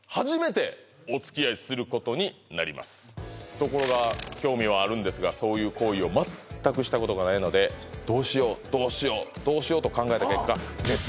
ところが興味はあるんですがそういう行為を全くしたことがないのでどうしようどうしよう